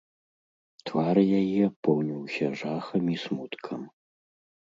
Твар яе поўніўся жахам і смуткам.